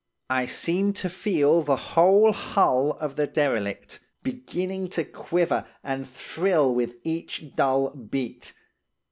I seemed to feel the whole hull of the derelict, beginning to quiver and thrill with each dull beat.